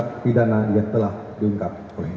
atau tindak pidana yang telah diungkap oleh anda